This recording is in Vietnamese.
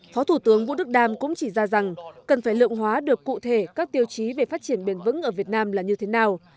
phó thủ tướng vũ đức đam cũng chỉ ra rằng cần phải lượng hóa được cụ thể các tiêu chí về phát triển bền vững ở việt nam là như thế nào